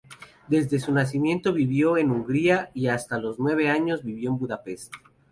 Desde su nacimiento vivió en Hungría, y hasta los nueve años vivió en Budapest.